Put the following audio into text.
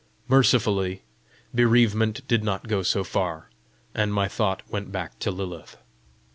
Mercifully, bereavement did not go so far, and my thought went back to Lilith.